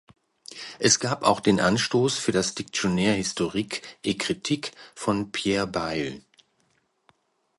Es gab auch den Anstoß für das Dictionnaire historique et critique von Pierre Bayle.